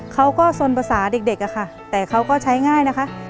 เขาก็สนภาษาเด็กแต่เขาก็ใช้ง่าย